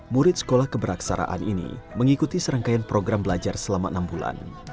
murid sekolah keberaksaraan ini mengikuti serangkaian program belajar selama enam bulan